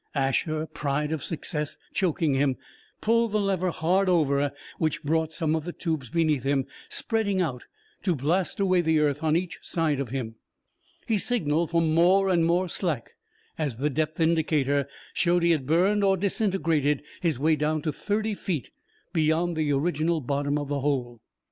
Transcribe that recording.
Asher, pride of success choking him, pulled the lever hard over, which brought some of the tubes beneath him spreading out, to blast away the earth on each side of him. He signaled for more and more slack as the depth indicator showed he had burned, or disintegrated, his way down to thirty feet beyond the original bottom of the hole.